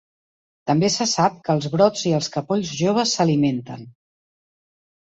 També se sap que els brots i els capolls joves s'alimenten.